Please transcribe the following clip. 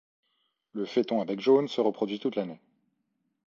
Le Phaethon à bec jaune se reproduit toute l'année.